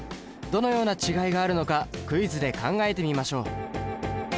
どのような違いがあるのかクイズで考えてみましょう。